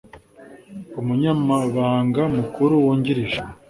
Umunyamabanga Mukuru Wungirije